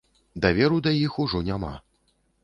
Даверу да іх ужо няма.